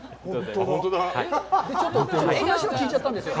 ちょっと話を聞いちゃったんですよ。